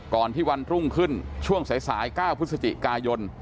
ก่อนที่วันตรุ่งขึ้นช่วงสายสายก้าวพฤศจิกายน